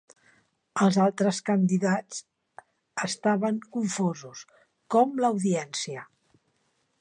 Els altres candidats estaven confosos, com l'audiència.